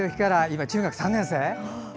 今は中学３年生？